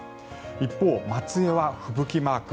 一方、松江は吹雪マーク。